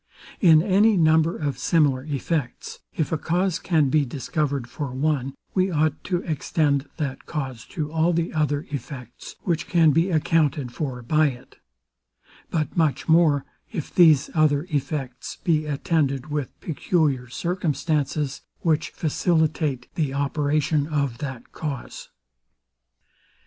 In any number of similar effects, if a cause can be discovered for one, we ought to extend that cause to all the other effects, which can be accounted for by it: But much more, if these other effects be attended with peculiar circumstances, which facilitate the operation of that cause.